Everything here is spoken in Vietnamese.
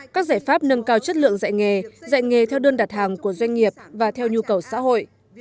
các giải pháp nâng cao chất lượng dạy nghề dạy nghề theo đơn đặt hàng của doanh nghiệp và theo nhu cầu xã hội